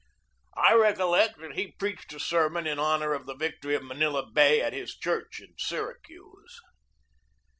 I recollect that he preached a sermon in honor of the victory of Manila Bay at his church in Syracuse.